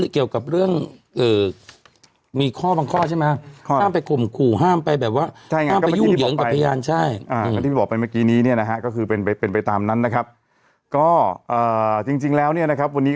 กลับเหมือนเดิมตอนประกันเลยค่ะ